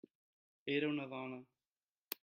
Era una dona.